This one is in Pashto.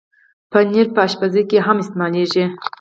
پنېر په پخلي کې هم استعمالېږي.